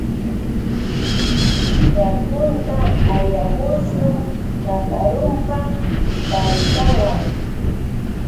Yakunta allamushun. Nakarumipa baritawan